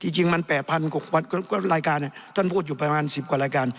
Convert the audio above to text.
จริงมัน๘๐๐๐กว่ารายการท่านพูดอยู่ประมาณ๑๐กว่ารายการ